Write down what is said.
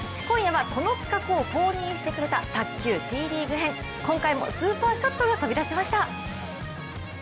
今夜は、この企画を公認してくれた卓球・Ｔリーグ編今回もスーパーショットが飛び出しました。